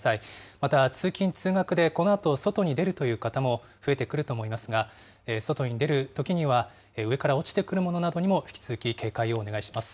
また通勤・通学で、このあと外に出るという方も増えてくると思いますが、外に出るときには、上から落ちてくるものなどにも引き続き警戒をお願いします。